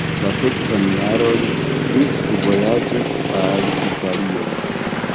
La sekvan jaron li studvojaĝis al Italio.